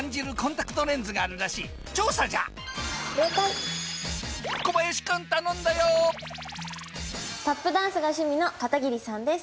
タップダンスが趣味の片桐さんです。